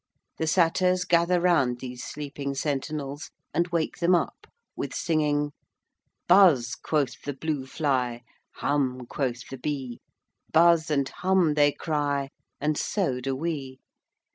The Satyrs gather round these sleeping sentinels and wake them up with singing: Buzz, quoth the blue fly: Hum, quoth the bee: Buzz and hum they cry And so do we.